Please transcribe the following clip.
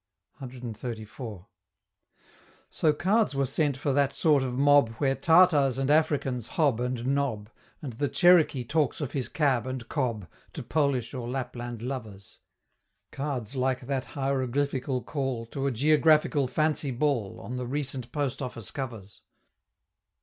CXXXIV. So cards were sent for that sort of mob Where Tartars and Africans hob and nob, And the Cherokee talks of his cab and cob To Polish or Lapland lovers Cards like that hieroglyphical call To a geographical Fancy Ball On the recent Post Office covers.